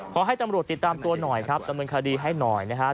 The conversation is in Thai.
ขอให้ตำรวจติดตามตัวหน่อยครับดำเนินคดีให้หน่อยนะครับ